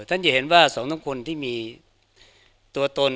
ท่านจะเห็นว่าสองสังคมคนที่มีตัวตน